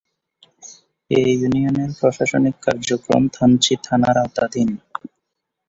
এ ইউনিয়নের প্রশাসনিক কার্যক্রম থানচি থানার আওতাধীন।